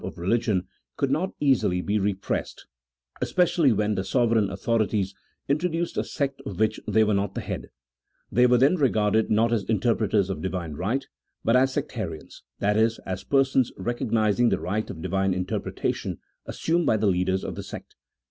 of religion could not easily "be repressed, especially when the sovereign authorities introduced a sect of which they were not the head ; they were then regarded not as inter preters of Divine right, but as sectarians — that is, as per sons recognizing the right of Divine interpretation assumed by the leaders of the sect.